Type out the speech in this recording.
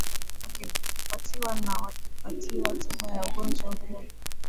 wakipatiwa wakipatiwa tiba ya ugonjwa huo